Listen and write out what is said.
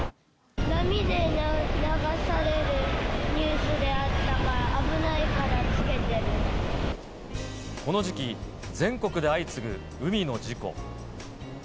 波で流されるニュースであっこの時期、全国で相次ぐ海の事故。